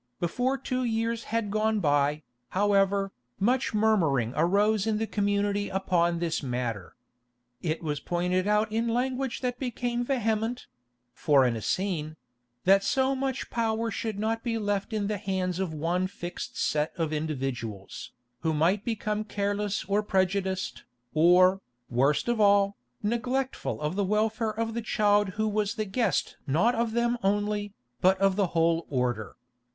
Before two years had gone by, however, much murmuring arose in the community upon this matter. It was pointed out in language that became vehement—for an Essene—that so much power should not be left in the hands of one fixed set of individuals, who might become careless or prejudiced, or, worst of all, neglectful of the welfare of the child who was the guest not of them only, but of the whole order.